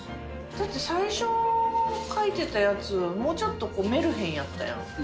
だって最初描いてたやつ、もうちょっとメルヘンやったやん。